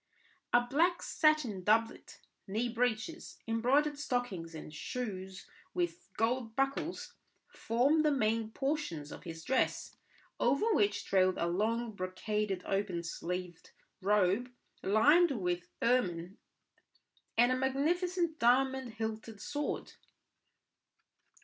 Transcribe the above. A black satin doublet, knee breeches, embroidered stockings, and shoes with gold buckles, formed the main portions of his dress, over which trailed a long brocaded open sleeved robe lined with ermine, and a magnificent diamond hilted sword.